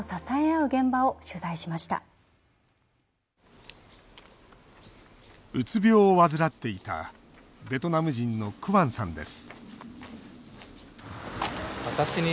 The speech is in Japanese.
うつ病を患っていたベトナム人のクアンさんです